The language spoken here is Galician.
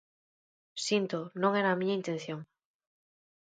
Síntoo, non era a miña intención.